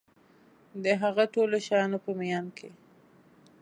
د هغه ټولو شیانو په میان کي